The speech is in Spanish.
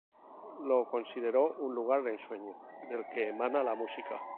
Lo considero un lugar de ensueño del que emana la música".